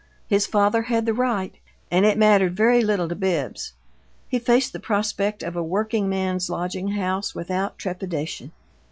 His father had the right, and it mattered very little to Bibbs he faced the prospect of a working man's lodging house without trepidation.